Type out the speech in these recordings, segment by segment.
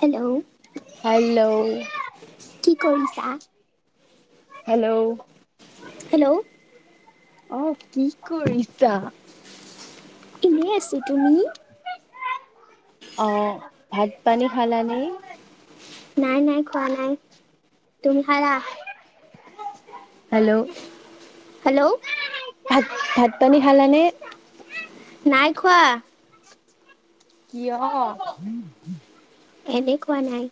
Hello hello? কি কৰিছা? Hello? Hello? অহ, কি কৰিছা? এনেই আছোঁ। তুমি? অঁ। ভাত পানী খালানে? নাই নাই খোৱা নাই। তুমি খালা? হেল্ল'? হেল্ল'? ভাত, ভাত পানী খালানে? নাই খোৱা। কিয়? এনেই খোৱা নাই।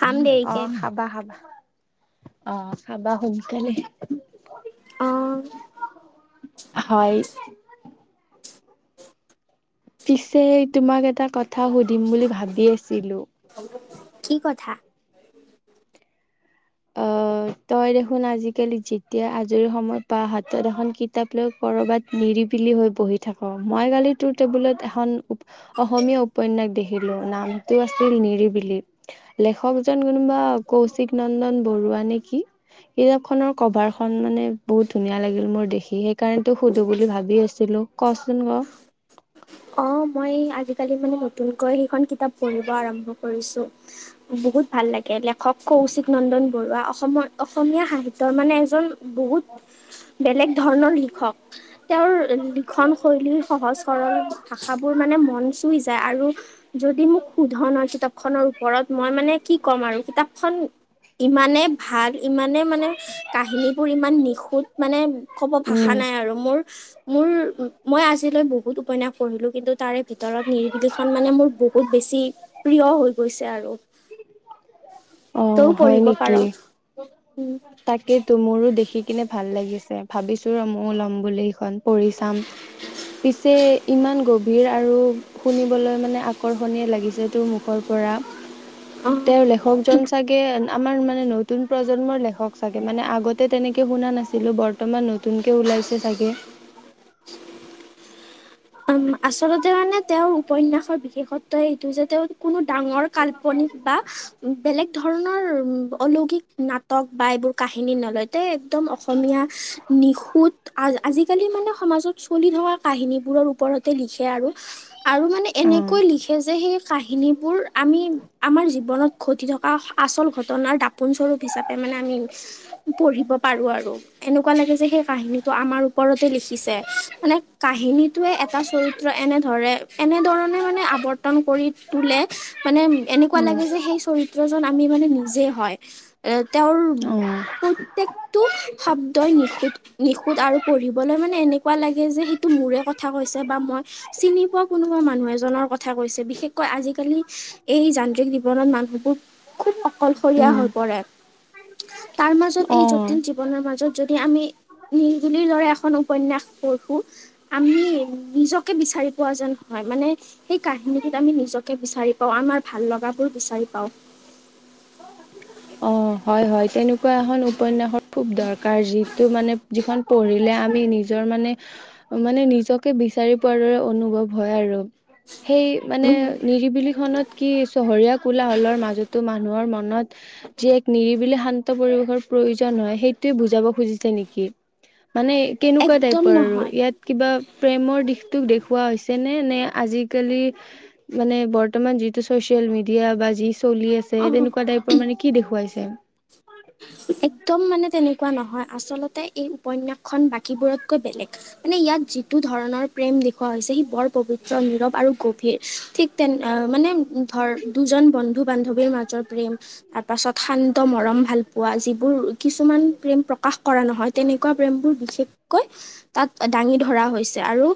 খাম দেৰিকে। অ' খাবা খাবা। অ', খাবা সোনকালে। অ হয়। পিছে, তোমাক এটা কথা সুধিম বুলি ভাবি আছিলো। কি [inaudible] আহ, তই দেখোন আজিকালি যেতিয়া আজৰি সময়ত পাওঁ হাতত এখন কিতাপ লৈ কৰবাত নিৰিবিলি হৈ পঢ়ি থাক। মই কালি তোৰ টেবুলত এখন অসমীয়া উপন্যাস দেখিলো নামটো আছিল নিৰিবিলি, লেখকজন কোনোবা কৌশিক নন্দন বৰুৱা নেকি, কিতাপ খনৰ কভাৰখন মানে বহুত ধুনীয়া লাগিল মোৰ দেখি। সেইকাৰণে তোক সুধো বুলি ভাবি আছিলো, ক'চোন ক'। অ', মই আজি [unintelligible] মানে নতুনকৈ সেইখন কিতাপ পঢ়িব আৰম্ভ কৰিছো। বহুত ভাল লাগে হক কৌশিক নন্দন বৰুৱা, অসম-অসমীয়া সাহিত্যৰ মানে এজন বহুত বেলেগ ধৰণৰ লিখক। তেওঁৰ লিখন শৈলীৰ সহজ সৰল ভাষাবোৰ মানে মন চুই যায় আৰু যদি মোক শুধ ন', কিতাপ খনৰ ওপৰত মই মানে কি ক'ম আৰু কিতাপখন ইমানে ভাল, ইমানে মানে কাহিনীবোৰ ইমান নিখুত, মানে কব ভাষা উম নাই আৰু। মোৰ-মোৰ মই আজিলৈ বহুত উপন্যাস পঢ়িলোঁ। কিন্তু তাৰে ভিতৰত নিৰিবিলখন মানে মোৰ বহুত বেছি প্ৰিয় হৈ গৈছে আৰু। তইও অ', হয় পঢ়িব পাৰ নেকি, উম, তাকেতো মোৰো দেখি কিনে ভাল লাগিছে। ভাবিছো ৰ' মইও লম বুলি সিখন, পঢ়ি চাম। পিছে ইমান গভীৰ আৰু শুনিবলৈ মানে আকৰ্ষণীয় লাগিছে তোৰ মুখৰ পৰা অ'। সেয়ে আমাৰ মানে নতুন প্ৰজন্মৰ লেখক চাগে মানে আগতে তেনেকে শুনা নাছিলো বৰ্তমান নতুনকে ওলাইছে চাগে। উম আচলতে মানে তেওঁৰ উপন্যাসত বিশেষত্ব এইটো যে তেওঁ কোনো ডাঙৰ কাল্পনিক বা বেলেগ ধৰণৰ। ধৰণৰ অলৌকিক নাটক বা এইবোৰ কাহিনী নলয় তে একদম অসমীয়া নিশুত আজিকালি মানে সমাজত চলি থকা কাহিনীবোৰৰ। ওপৰতে লিখে আৰু। আৰু মানে এনেকৈ অ'। লিখে যে সেই কাহিনীবোৰ। আমি আমাৰ জীৱনত ঘটি থকা আচল ঘটনাৰ দাপোন স্বৰূপ হিচাপে মানে আমি পঢ়িব পাৰো আৰু এনেকুৱা লাগে যে সেই কাহিনীটো আমাৰ ওপৰতে লিখিছে মানে কাহিনীত। এটা চৰিত্ৰ এনেধৰে এনেধৰণে মানে আৱৰ্তন কৰি তোলে। মানে এনেকুৱা উম। লাগে যে সেই চৰিত্ৰত। আমি মানে নিজে হয় এ' তেওঁৰ অ', প্ৰত্যেকটো শব্দই নিখুঁত। নিখুত আৰু পঢ়িবলৈ মানে এনেকুৱা লাগে যে সেইটো মোৰে কথা। কথা কৈছে বা মই চিনি পোৱা কোনোবা মানুহ এজনৰ কথা কৈছে। বিশেষকৈ আজিকালি এই যান্ত্ৰিক জীৱনত মানুহবোৰ খুব অকলশৰীয়া উম, হৈ পৰে, তাৰ মাজত এই জটিল অ'। জীৱনৰ মাজত য এতিয়া আমি নিৰিবিলিৰ দৰে এখন উপন্যাস পঢ়ো। আমি নিজকে বিচাৰি পোৱা যেন হয় মানে সেই কাহিনীটোত আমি নিজকে বিচাৰি পাওঁ, আমাৰ ভাল লগাবোৰ বিচাৰি পাওঁ। অ' হয় হয় তেনেকুৱা এখন উপন্যাসৰ খুব দৰকাৰ, যিটো মানে যিখন পঢ়িলে আমি নিজৰ মানে মানে নিজকে বিচাৰি পোৱাৰ দৰে অনুভৱ হয় আৰু। সেই মানে উম, নিৰিবিলি খমত কি চহৰীয়া কোলা'হলৰ মাজতো মানুহৰ ম নত যি এক নিৰিবিলি শান্ত পৰিৱেশৰ প্ৰয়োজন হয়, সেইটোৱে বুজাব খুজিছে নেকি? মানে কেনেকুৱা একদম টাইপৰ আৰু। নহয় ইয়াত কিবা প্ৰেমৰ দিশ দেখুওৱা হৈছে নে নে আজিকালি মানে বৰ্তমান যিটো চচিয়েল-মিডিয়া বা যি চলি আছে অ তেনেক কুৱা টাইপৰ মানে কি দেখুওৱা হৈছে? কোৱা নহয়, আচলতে এই উপন্যাসখন বাকীবোৰতকৈ বেলেগ, মানে ইয়াত যিটো ধৰণৰ প্ৰেম দেখুওৱা হৈছে সি বৰ পৱিত্ৰ, নীৰৱ আৰু গভ ভিৰ ঠিক তেন মানে ধৰ, দুজন বন্ধু-বান্ধৱীৰ মাজৰ প্ৰেম, তাৰ পাছত শান্ত মৰম ভাল পোৱা। যিবোৰ কিছুমান, প্ৰেম প্ৰকাশ কৰা নহয় তেনেকুৱা প্ৰেমবোৰ বিশেষকৈ তাত দাঙি ধৰা হৈছে। আৰু,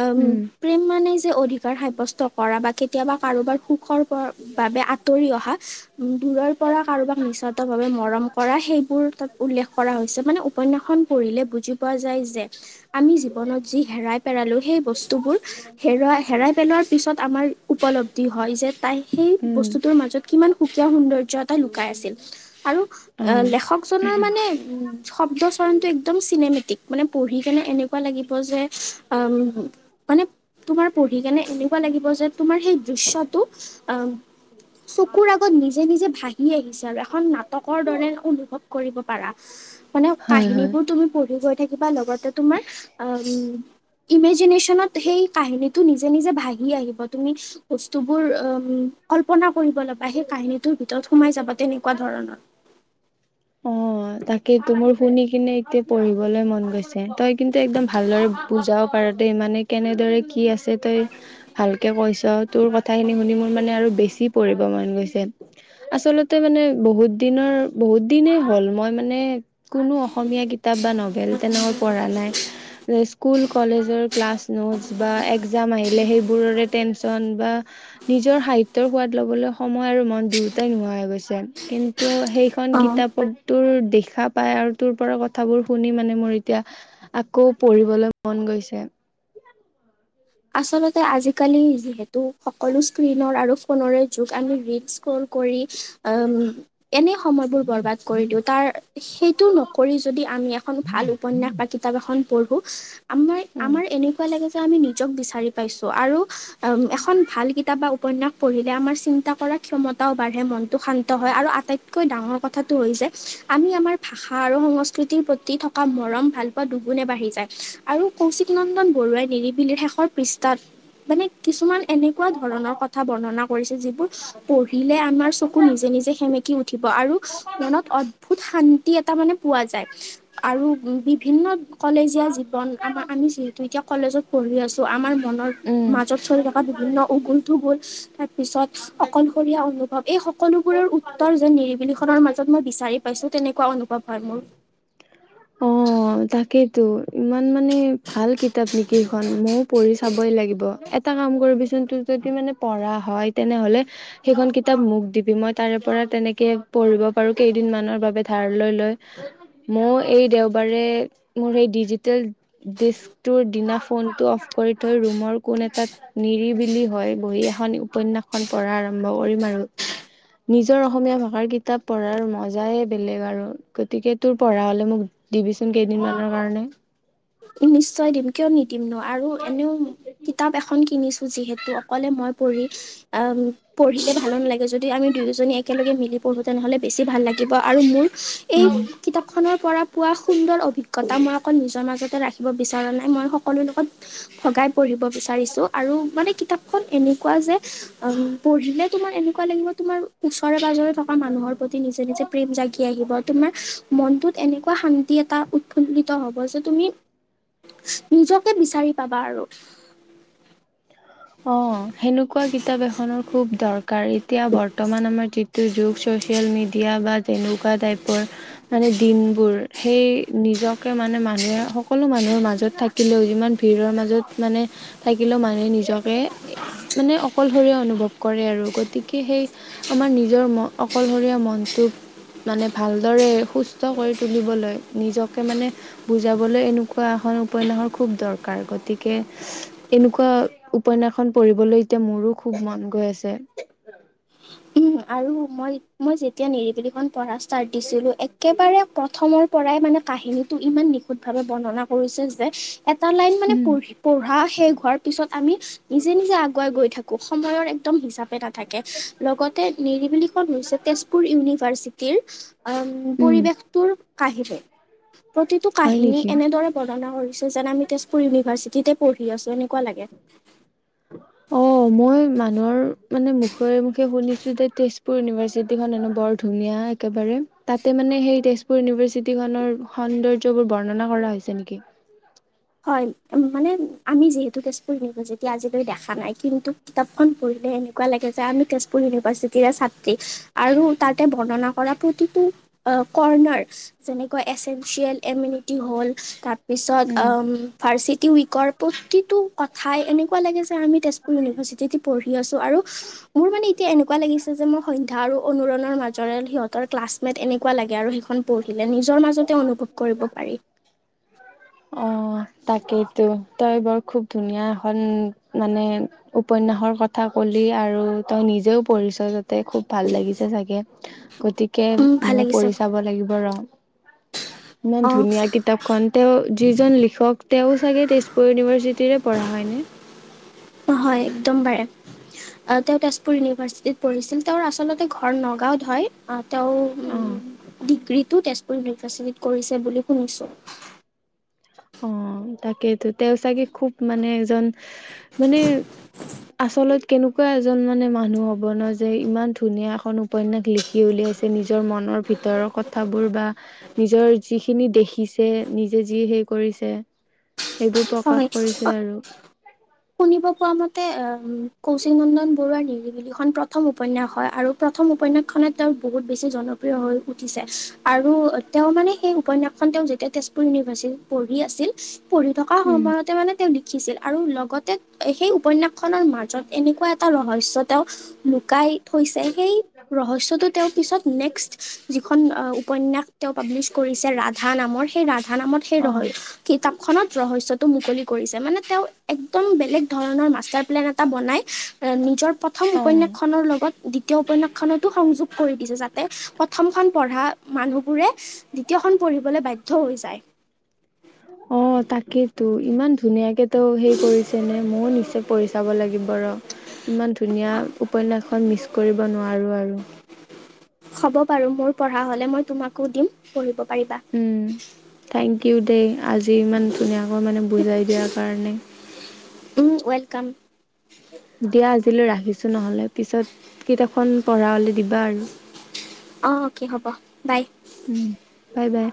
আম উম। প্ৰেম মানে যে অধিকাৰ সাব্যস্ত কৰা বা কেত কেতিয়াবা কাৰোবাৰ সুখৰ বাবে আঁতৰি অহা উ দূৰৰ পৰা কাৰোবাক নিস্বাৰ্থ ভাৱে মৰম কৰা সেইবোৰ তাত উল্লেখ কৰা হৈছে মানে উপন্যাসখন কৰিলে বুজি পোৱা যায় যে আমি জীৱনত যি হেৰাই পেলালো সেই বস্তুবোৰ হেৰুৱ হেৰাই পেলোৱাৰ পিছত আমাৰ উপলব্ধি হয় যে তাই সেই উম বস্তুটোৰ মাজত কিমান সুকীয়া সৌন্দৰ্য্য এটা লুকাই আছিল আৰু অ। আ লেখকজনৰ মানে উম শব্দচৰণটো একদম চিনেমেটিক মানে পঢ়ি কেনে এনেকুৱা লাগিব যে উ মানে। তোমাৰ পঢ়ি কেনে এনেকুৱা লাগিব যে তোমাৰ সেই দৃশ্যটো অ চকুৰ আগত নিজে নিজে ভাহি আহিছে আৰু এখন নাটকৰ। অনুভৱ কৰিব পাৰা মানে হয় হয়। কাহিনীবোৰ তুমি পঢ়ি লগতে তোমাৰ কৰিব ল'বা সেই কাহিনীটোৰ ভিতৰত সোমাই যাব তেনেকুৱা ধৰণৰ। অ' তাকেইো মোৰ শুনি কিনে এতিয়া পঢ়িবলৈ মন গৈছে তই কিন্তু একদম ভালদৰে বুজাৱ পাৰতে মানে কেনেদৰে কি আছে তই ভালকে কৈছ তোৰ কথা খিনি শুনি মোৰ মানে আৰু বেছি পঢ়িব মন গৈছে আচলতে মানে বহুত দিনৰ বহুত। দিনেই হ'ল মই মানে কোনো অসমীয়া কিতাপ বা নভেল তেনেকৈ পঢ়া নাই যে স্কুল কলেজৰ ক্লাছ নোটচ বা এক্জাম আহিলে সেইবোৰৰে টেনচন বা নিজৰ সাহিত্যৰ সোৱাদ ল'বলৈ সময় আৰু মন দুয়োটাই নোহোৱা হৈ গৈছে কিন্তু। সেইখন। অ'। তোৰ দেখা পাই আৰু তোৰ পৰা কথাবোৰ শুনি মানে মোৰ এতিয়া আকৌ পঢ়িবলৈ মন গৈছে। আচলতে আজিকালি যিহেতু সকলো স্ক্ৰীনৰ আৰু ফোনেৰে যুগ আমি ৰিল স্ক্ৰল কৰি এনেই সময়বোৰ বৰবাদ কৰি দিওঁ তাৰ সেইটো নকৰি যদি আমি এখন ভাল উপন্যাস বা কিতাপ এখন। পঢ়ো আমাৰ উম -আমাৰ এনেকুৱা লাগে চামিনি। বিচাৰি পাইছো আৰু এখন ভাল কিতাপ বা উপন্যাস পঢ়িলে আমাৰ চিন্তা কৰা ক্ষমতাও বাঢ়ে মনটো শান্ত হয় আৰু আটাইতকৈ ডাঙৰ কথাটো যে আমি আমাৰ ভাষা আৰু সংস্কৃতিৰ প্ৰতি থকা মৰম ভাল পোৱা দুগুণে বাঢ়ি যায় আৰু কৌশিক নন্দন বৰুৱাই নিৰিবিলিৰ শেষ। শেষ পৃষ্ঠাত মানে কিছুমান এনেকুৱা ধৰণৰ কথা বৰ্ণনা কৰিছিল যিবোৰ পঢ়িলে আমাৰ চকু নিজে নিজে সেমেকি উঠিব আৰু মনত অদ্ভুত শান্তি। এটা মানে পোৱা যায় আৰু বিভিন্ন। কলেজীয়া জীৱন আমাৰ আমি যিহেতু এতিয়া কলেজত। পঢ়ি আছো। ত আমাৰ মনৰ উম মাজত চলি থকা বিভিন্ন উগুল থুগুল পিছত অকলশৰীয়া অনুভৱ এই সকলোবোৰৰ উত্তৰ যেন নিৰিবিলিখনৰ মাজত মই বিচাৰি পাইছো তেনেকুৱা অনুভৱ হয় মোৰ। ত' ইমান মানে ভাল কিতাপ নেকি এই খন ময়ো পঢ়ি চাবই লাগিব এটা কাম কৰিবিচোন তোৰ যদি মানে পঢ়া হয় তেনেহ'লে সেইখন কিতাপ মোক দিবি মই তাৰে পৰা তেনেকে পঢ়িব পাৰো কেইদিন মানৰ বাবে ধাৰ লৈ লৈ ময় এই দেওবাৰে মোৰ সেই ডিজিটেল ডিস্কটোৰ দিনা ফোন টো অফ কৰি থৈ ৰুমৰ কোন এটা নিৰিবিলি হয় বহি এখন উপন্যাস। পঢ়া আৰম্ভ কৰিম আৰু নিজৰ অসমীয়া ভাষাৰ কিতাপ পঢ়াৰ মজাই বেলেগ আৰু গতিকে তোৰ পঢ়া হ'লে মোক দিবিচোন কেইদিনমানৰ কাৰণে নিশ্চয় দিম কিয় নি। দিম ন আৰু এনেও কিতাপ এখন কিনিছো যিহেতু অকলে মই। পৰি আম। পঢ়িলে ভালো নালাগে যদি আমি দুয়োজনী একেলগে মিলি পঢ়ো। তেনেহ'লে। বেছি ভাল লাগিব আৰু মোৰ এই উম কিতাপখনৰ পৰা। পোৱা সুন্দৰ অভিজ্ঞতা মই আকৌ নিজৰ মাজত। ৰাখিব বিচৰা নাই মই সকলো লগত ভগাই। পঢ়িব বিচাৰিছো আৰু মানে কিতাপ। এনেকুৱা যে অ' পঢ়িলে তোমাৰ এনেকুৱা লাগিব তোমাৰ ওচৰে পাজৰে থকা মানুহৰ প্ৰতি নিজে নিজে প্ৰেম জাগি আহিব। তোমাৰ মনটোত এনেকুৱা শান্তি এটা উৎফুল্লিত হ'ব যে, তুমি নিজকে বিচাৰি পাবা আৰু। অ', সেনেকুৱা কিতাপ এখনৰ খুব দৰকাৰ। এতিয়া বৰ্তমান আমাৰ যিটো যুগ চচিয়েল মিডিয়া বা তেনেকুৱা টাইপৰ মানে দিনবোৰ, সেই নিজকে মানে মানুহে সকলো মানুহৰ মাজত থাকিলেও যিমান ভিৰৰ মাজত মানে থাকিলেও মানুহে নিজক কে মানে অকলশৰীয়া অনুভৱ কৰে আৰু। গতিকে সেই আমাৰ নিজৰ ম অকলশৰীয়া মনটোক মানে ভালদৰে সুস্থ কৰি তুলিবলৈ, নিজকে মানে বুজাবলৈ, এনেকুৱা এখন উপন্যাসৰ খুব দৰকাৰ। গতিকে এনেকুৱা উপন্যাসখন পঢ়িবলৈ এতিয়া মোৰো খুব মন গৈ আছে। আৰু মই মই যেতিয়া নিৰিবেলিখন পঢ়া ষ্ট ষ্টাৰত দিছিলো, একেবাৰে প্ৰথমৰ পৰাই মানে কাহিনীটো ইমান নিখুত ভাৱে বৰ্ণনা কৰিছে যে এটা লাইন মানে উম, পঢ়ি পঢ়া শেষ হোৱাৰ পিছত আমি নিজে নিজে আগুৱাই গৈ থাকো। সময়ৰ এক দম হিচাপে না থাকে। লগত তে নিৰিবিলিখন হৈছে তেজপুৰ ইউনিভাৰ্চিটিৰ উম, পৰিৱেশটোৰ কাহিৰে। প্ৰতিটো হয় কাহিনী নেকি? এনেদৰে বৰ্ণনা কৰিছে যেন আমি তেজপুৰ ইউনিভাৰ্চিটিতে পঢ়ি আছোঁ, সেনেকুৱা লাগে। অ', মই মানুহৰ মানে মুখে মুখে শুনিছোঁ যে তেজপুৰ ইউনিভাৰ্চিটিখন হেনো বৰ ধুনীয়া একেবাৰে। তাতে মানে সেই তেজপুৰ ইউনিভাৰ্চিটিখনৰ সৌন্দৰ্যবোৰ বৰ্ণনা কৰা হৈছে নেকি? হয়। মানে আমি যিহেতু তেজপুৰ ইউনিভাৰ্চিটি আজিলৈ দেখা নাই, কিন্তু কিতাপখন পঢ়িলে এনেকুৱা লাগে যে আমি তেজপুৰ ইউনিভাৰ্চিটিৰে ছাত্ৰী। আৰু তাতে বৰ্ণনা কৰা প্ৰতিটো কৰ্ণাৰ যেনেকা এচেঞ্চিয়েল ইমিউনিটি হ'ল, তাৰপিছত অ', উম। ম ফাৰ্চীত টি উৱিকৰ প্ৰতিটো কথাই এনেকুৱা লাগে যে আমি তেজপ সুল ইভাৰ্চিট পঢ়ি আছোঁ আৰু মোৰ মানে এতিয়া এনেকুৱা লাগিছে যে মোৰ সন্ধ্যা আৰু অনুৰণৰ মাজৰে সিহঁতৰ ক্লাছমেট এনেকুৱা লাগে আৰু সেইখন পঢ়িলে, নিজৰ মাজতে অনুভৱ কৰিব পাৰি। তাকেইটো তই বৰ খুব ধুনীয়া এখন মানে উপন্যাসৰ কথা ক'লি আৰু তই নিজেও পঢ়িছ' যত তে খুব ভাল লাগিছে চাগে। গতিকে উম, ভাল ময়ো লাগিছে পঢ়ি চাব লাগিব ৰ'। ইমান অ ধুনীয়া কিতাপখন, তেওঁ যিজন লিখক তেওঁ চাগে তেজপুৰ ইউনিভাৰ্চিটিৰে পঢ়া, হয় নে? হয়, একদম বাৰে তেওঁ তেজপুৰ ইউনিভাৰ্চিটিত পঢ়িছিল তেওঁৰ আচলতে ঘৰ নগাঁওত হয়, অ'। তেওঁ উম, অ', ডিগ্ৰী টো তেজপুৰ ইউনিভাৰ্চিটিত কৰিছে বুলি শুনিছোঁ। অ', তাকেইটো তেওঁ চাগে খুব মানে এজন মানে আচলত কেনেকুৱা এজন মানে মানুহ হ'ব ন' যে ইমান ধুনীয়া এখন উপন্যাস লিখি উলিয়াইছে নিজৰ মনৰ ভিতৰৰ কথাবোৰ বা নিজৰ যিখিনি দেখিছে নিজে যি সেই কৰিছে। এইবোৰ প্ৰকাশ হয় কৰিছে আৰু শুনিব পোৱা মতে অ', কৌশিক নন্দন বৰুৱাৰ নিৰিবিলিখন প্ৰথম উপন্যাস হয় আৰু প্ৰথম উপন্যাসখনে তেওঁ বহুত বেছি জনপ্ৰিয় হৈ উঠিছে আৰু তেওঁ মানে সেই উপন্যাসখন তেওঁ তেওঁ তেজপুৰ ইউনিভাৰ্চিটিত পঢ়ি আছিল পঢ়ি থকা উম, সময়তে মানে তেওঁ লিখিছিল আৰু লগতে এ সেই উপন্যাস খনৰ মাজত এনেকুৱা এটা ৰহস্য তেওঁ লুকাই থৈছে সেই ৰহস্যটো তেওঁৰ পিছত নেক্স এখন উপন্যাস তেওঁ পাব্লিছ কৰিছে ৰাধা নামৰ সেই ৰাধা ৰাধা নামত সেই অ', ৰহস্য কিতাপ খনত ৰহসয়তটো মুকলি কৰিছে মানে তেওঁ একদম বেলে ধৰণৰ মাষ্টাৰ প্লেন এটা বনাই এ নিজৰ প্ৰথম অ'। উপন্যাসখনৰ লগত দ্বিতীয় উপন্যাসখন তোমাৰ সংযোগ কৰি দিছে, যাতে প্ৰথমখন পঢ়া মানুহবোৰে দ্বিতীয়খন পঢ়িবলৈ বাধ্য হৈ যায়। অ' তাকেইতো ইমান ধুনীয়াকে ত' সেই কৰিছে নে? ময়ো নিশ্চয় পঢ়ি চাব লাগিব ৰ'। ইমান ধুনীয়া উপন্যাসখন মিচ কৰিব নোৱাৰো আৰু। হ'ব বাৰু মোৰ পঢ়া হলে মই তোমাকো দিম। পঢ়িব পাৰিবা উম থেংক ইউ দেই আজি ইমান ধুনীয়াকৈ মানে বুজাই দিয়াৰ কাৰণে। উম, ৱেলকাম। দিয়া আজিলৈ ৰাখিছো নহ'লে পিছত কিতাপখন পঢ়া হ'লে দিবা আৰু। অ অকে হ'ব, বাই। উম, বাই-বাই।